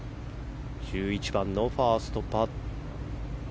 １１番のファーストパット。